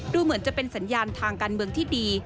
ดูเหมือนจะเป็นสัญญาณทางการเมืองที่ดี